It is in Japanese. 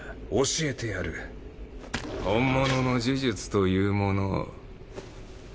教えてやる本物の呪術というものを。